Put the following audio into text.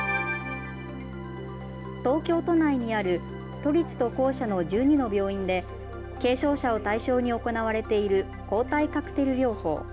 東京都内にある都立と公社の１２の病院で軽症者を対象に行われている抗体カクテル療法。